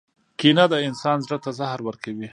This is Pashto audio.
• کینه د انسان زړۀ ته زهر ورکوي.